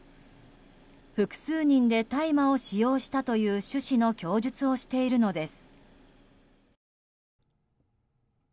複数人で大麻を使用したという趣旨の供述をしているのです。